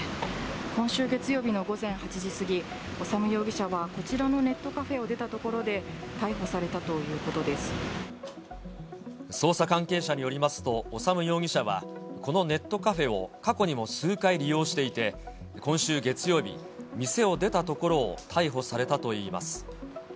今週月曜日の午前８時過ぎ、修容疑者はこちらのネットカフェを出たところで逮捕されたという捜査関係者によりますと、修容疑者は、このネットカフェを過去にも数回利用していて、今週月曜日、店を出たところを逮捕されたといいます。